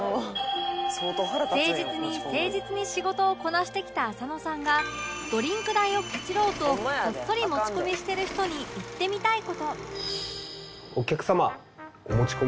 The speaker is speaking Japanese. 誠実に誠実に仕事をこなしてきた浅野さんがドリンク代をケチろうとこっそり持ち込みしてる人に言ってみたい事